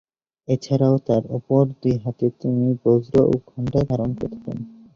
এছাড়াও তাঁর অপর দুই হাতে তিনি বজ্র ও ঘণ্টা ধারণ করে থাকেন।